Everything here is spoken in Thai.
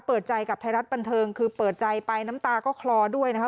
เปิดใจกับไทยรัฐบันเทิงคือเปิดใจไปน้ำตาก็คลอด้วยนะคะ